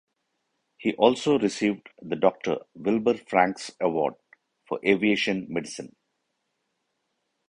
He also received the Doctor Wilbur Franks Award for aviation medicine.